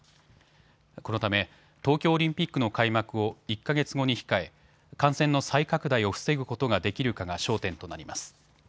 このため東京オリンピックの開幕を１か月後に控え感染の再拡大を防ぐことができるかが焦点となります。